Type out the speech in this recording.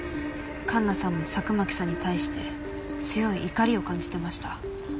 かんなさんも佐久巻さんに対して強い「怒り」を感じてました。